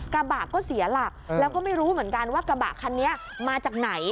กระบะก็เสียหลักแล้วก็ไม่รู้เหมือนกันว่ากระบะคันนี้มาจากไหน